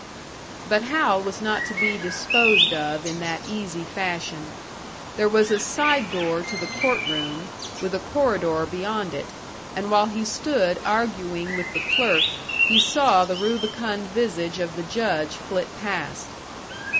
But Hal was not to be disposed of in that easy fashion. There was a side door to the court room, with a corridor beyond it, and while he stood arguing with the clerk he saw the rubicund visage of the Judge flit past.